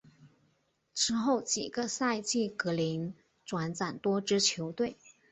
之后几个赛季格林转辗多支球队。